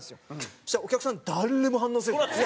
そしたらお客さん誰も反応せず。